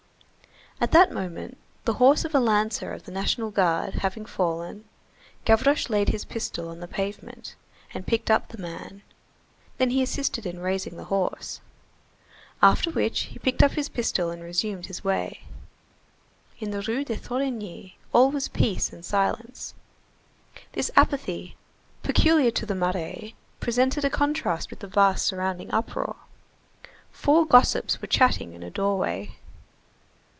At that moment, the horse of a lancer of the National Guard having fallen, Gavroche laid his pistol on the pavement, and picked up the man, then he assisted in raising the horse. After which he picked up his pistol and resumed his way. In the Rue de Thorigny, all was peace and silence. This apathy, peculiar to the Marais, presented a contrast with the vast surrounding uproar. Four gossips were chatting in a doorway.